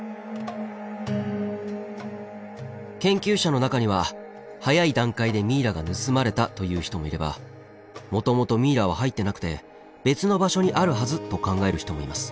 研究者の中には早い段階でミイラが盗まれたという人もいればもともとミイラは入ってなくて別の場所にあるはずと考える人もいます。